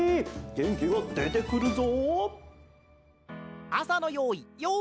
げんきがでてくるぞ！